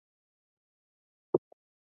که ماشوم پوښتنه وکړي، نو فکر به وده وکړي.